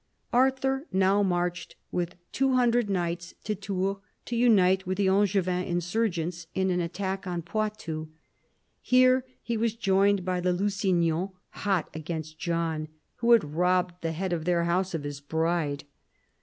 Arthur now marched with 200 knights to Tours, to unite with the Angevin insurgents in an attack on Poitou. Here he was joined by the Lusignans, hot against John, who had robbed the head of their house of his bride.